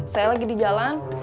saya lagi di jalan